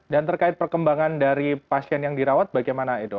dan terkait perkembangan dari pasien yang dirawat bagaimana edo